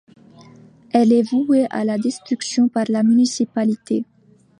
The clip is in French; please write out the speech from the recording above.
Elle est vouée à la destruction par la municipalité.